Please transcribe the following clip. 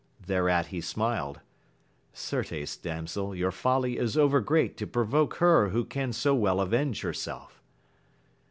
Thereat he smiled. Certes damsel, your folly is overgreat to provoke her who can so well avenge herself.